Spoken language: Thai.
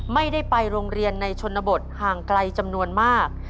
ไม่ได้ไปโรงเรียนในชนบทห่างไกลจำนวนมาก